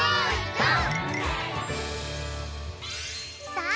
さあ